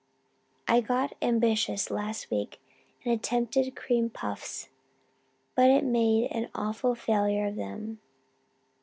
I got ambitious last week and attempted cream puffs, but made an awful failure of them.